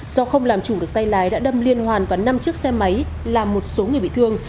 do không làm chủ được tay lái đã đâm liên hoàn vào năm chiếc xe máy làm một số người bị thương